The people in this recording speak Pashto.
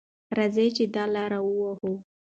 راځئ چې دا لاره ووهو.